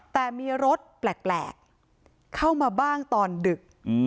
แต่มีรถแปลกเข้ามาบ้างตอนดึก